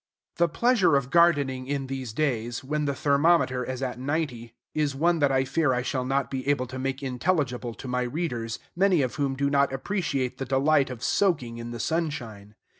The pleasure of gardening in these days, when the thermometer is at ninety, is one that I fear I shall not be able to make intelligible to my readers, many of whom do not appreciate the delight of soaking in the sunshine.